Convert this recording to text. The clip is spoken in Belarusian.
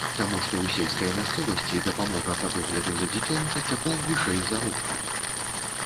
Таму што ў сельскай мясцовасці дапамогі па догляду за дзіцем часцяком вышэй заробкаў.